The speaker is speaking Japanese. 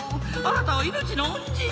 あなたはいのちの恩人！